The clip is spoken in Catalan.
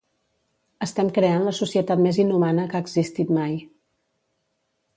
Estem creant la societat més inhumana que ha existit mai